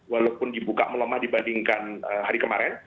walaupun dibuka melemah dibandingkan hari kemarin